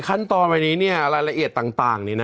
ขั้นตอนวันนี้รายละเอียดต่าง